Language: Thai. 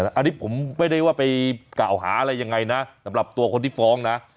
อันนี้ผมไม่ได้ว่าไปกล่าวหาอะไรยังไงนะสำหรับตัวคนที่ฟ้องนะ